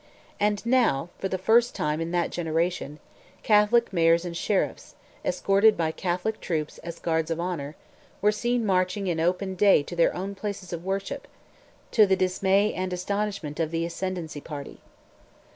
And now, for the first time in that generation, Catholic mayors and sheriffs, escorted by Catholic troops as guards of honour, were seen marching in open day to their own places of worship, to the dismay and astonishment of the ascendancy party.